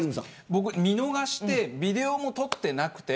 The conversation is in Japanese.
僕、見逃してビデオも録ってなくて